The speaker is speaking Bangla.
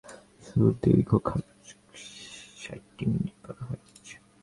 সুদীর্ঘ ষাটটি মিনিট পার হয়ে যায়।